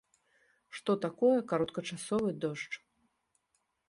Што такое кароткачасовы дождж?